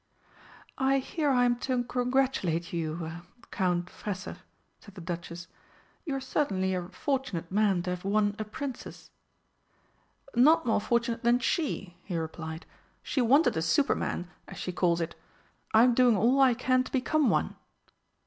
"I hear I am to congratulate you er Count Fresser," said the Duchess. "You are certainly a fortunate man to have won a Princess." "Not more fortunate than she," he replied. "She wanted a Superman, as she calls it. I am doing all I can to become one."